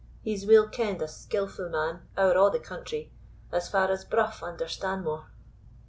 He's weel kend a skilfu' man ower a' the country, as far as Brough under Stanmore."